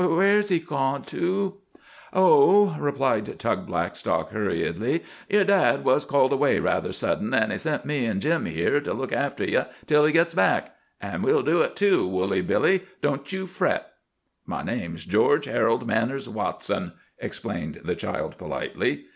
"Where's he gone to?" "Oh," replied Tug Blackstock hurriedly, "yer dad was called away rather sudden, an' he sent me an' Jim, here, to look after you till he gits back. An' we'll do it, too, Woolly Billy; don't you fret." "My name's George Harold Manners Watson," explained the child politely.